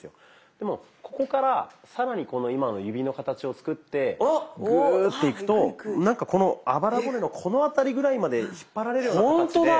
でもここから更に今の指の形を作ってグーッていくとなんかこのあばら骨のこのあたりぐらいまで引っ張られるような形で。